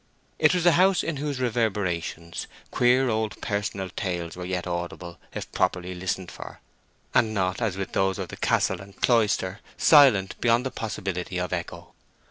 It was a house in whose reverberations queer old personal tales were yet audible if properly listened for; and not, as with those of the castle and cloister, silent beyond the possibility of echo.